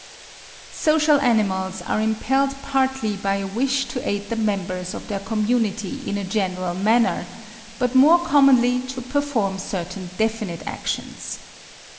Social animals are impelled partly by a wish to aid the members of their community in a general manner, but more commonly to perform certain definite actions.